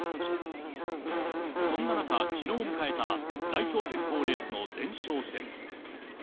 そんな中、きのう迎えた代表選考レースの前哨戦。